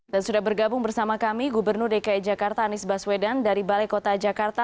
dan sudah bergabung bersama kami gubernur dki jakarta anies baswedan dari balai kota jakarta